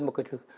một cái thứ